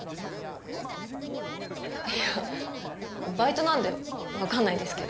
いやバイトなんで分かんないですけど。